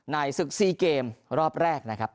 ศึก๔เกมรอบแรกนะครับ